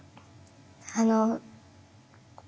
あの。